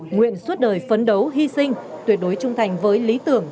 nguyện suốt đời phấn đấu hy sinh tuyệt đối trung thành với lý tưởng